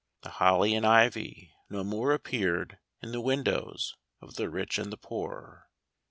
The holly and ivy no more appeared in the windows of the rich and the poor.